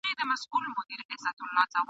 تر څو حکمونه له حُجرې وي ..